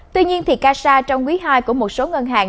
tuy nhiên casa trong quý ii của một số ngân hàng